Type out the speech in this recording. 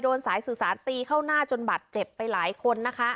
สายสื่อสารตีเข้าหน้าจนบัตรเจ็บไปหลายคนนะคะ